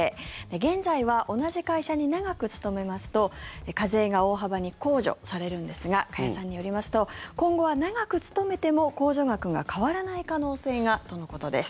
現在は同じ会社に長く勤めますと課税が大幅に控除されるんですが加谷さんによりますと今後は長く勤めても控除額が変わらない可能性がとのことです。